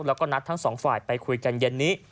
แล้วก็นัดทั้งสองฝ่ายไปคุยกันเย็นนี้